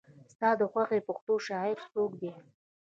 ستا د خوښې پښتو شاعر څوک دی؟